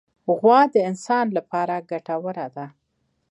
غوا د انسان لپاره ګټوره ده.